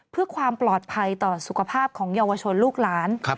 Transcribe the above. เพื่อความปลอดภัยต่อสุขภาพของเยาวชนลูกหลาน